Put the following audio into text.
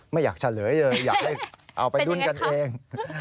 ไม่อยากเฉลยเลยอยากได้เอาไปรุ่นกันเอง